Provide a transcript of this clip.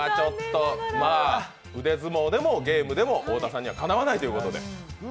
腕相撲でもゲームでも太田さんにはかなわないということで。